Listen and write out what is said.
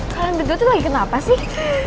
kalian berdua tuh lagi kenapa sih